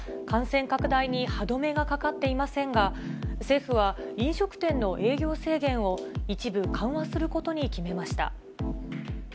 感染拡大に歯止めがかかっていませんが、政府は、飲食店の営業制限を一部緩和することに決めました。